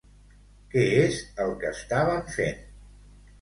Què és el que estaven fent?